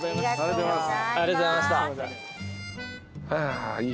ありがとうございます。